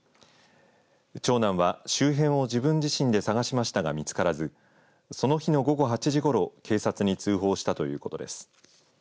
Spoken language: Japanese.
長男は、周辺を自分自身でさがしましたが見つからずその日の午後８時ごろ警察に通報したということです。